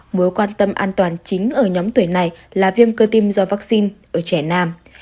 mối quan tâm an toàn chính ở nhóm tuổi này là viêm cơ tim do vaccine ở trẻ nam